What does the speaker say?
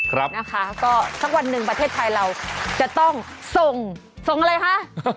ครับนะคะก็สักวันหนึ่งประเทศไทยเราจะต้องส่งส่งอะไรคะ